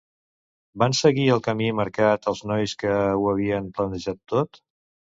Van seguir el camí marcat els nois que ho havien planejat tot?